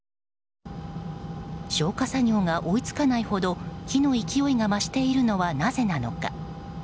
消火作業が追い付かないほど火の勢いが増しているのはなぜなのか。